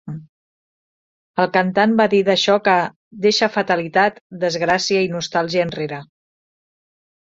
El cantant va dir d'això que "deixa fatalitat, desgràcia i nostàlgia enrere.